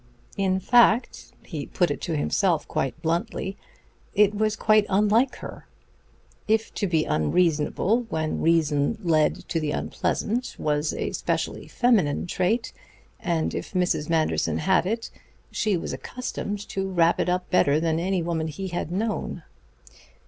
In fact (he put it to himself bluntly) it was quite unlike her. If to be unreasonable when reason led to the unpleasant was a specially feminine trait, and if Mrs. Manderson had it, she was accustomed to wrap it up better than any woman he had known.